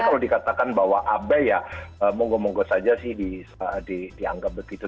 kalau dikatakan bahwa abai ya monggo monggo saja sih dianggap begitu